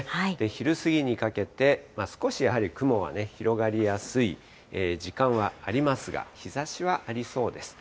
昼過ぎにかけて、少しやはり雲はね、広がりやすい時間はありますが、日ざしはありそうです。